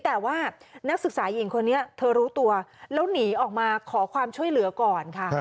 แต่ว่านักศึกษาหญิงคนนี้เธอรู้ตัวแล้วหนีออกมาขอความช่วยเหลือก่อนค่ะ